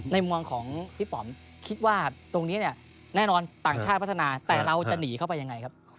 ในมุมของพี่ป๋อมคิดว่าตรงนี้เนี่ยแน่นอนต่างชาติพัฒนาแต่เราจะหนีเข้าไปยังไงครับ